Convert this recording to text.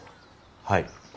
はい。